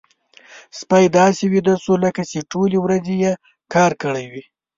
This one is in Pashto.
سپی داسې ویده شو لکه چې ټولې ورځې يې کار کړی وي.